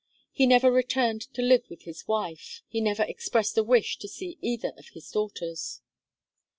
He never returned to live with his wife; he never expressed a wish to see either of his daughters.